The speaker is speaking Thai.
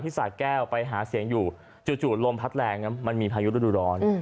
สาแก้วไปหาเสียงอยู่จู่ลมพัดแรงนะมันมีพายุฤดูร้อน